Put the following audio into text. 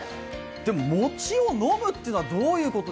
でも、餅を飲むというのはどういうこと？